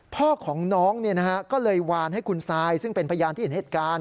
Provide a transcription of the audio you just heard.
พ่อของน้องก็เลยวานให้คุณซายซึ่งเป็นพยานที่เห็นเหตุการณ์